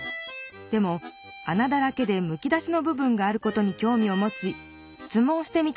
でもあなだらけでむき出しのぶ分があることにきょうみをもち質問してみたそうです